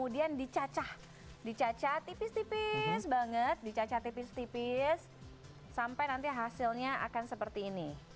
dicacah dicacah tipis tipis banget dicacah tipis tipis sampai nanti hasilnya akan seperti ini